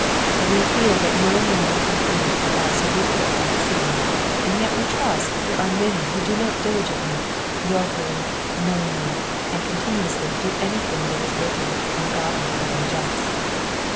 We fear that no man can claim to be absolutely without sin, and yet we trust there are many who do not designedly, wilfully, knowingly, and continuously do anything that is wicked, ungodly, or unjust.